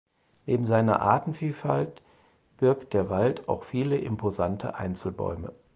Neben seiner Artenvielfalt birgt der Wald auch viele imposante Einzelbäume.